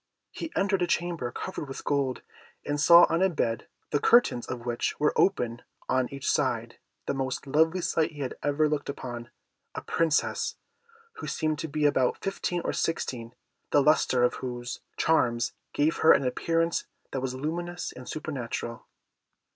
He entered a chamber covered with gold, and saw on a bed, the curtains of which were open on each side, the most lovely sight he had ever looked upon a Princess, who seemed to be about fifteen or sixteen, the lustre of whose charms gave her an appearance that was luminous and supernatural.